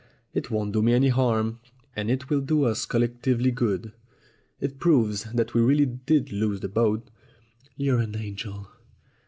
"It won't do me any harm, and it will do us col lectively good. It proves that we really did lose the boat" "You're an angel!"